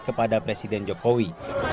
kepada presiden jokowi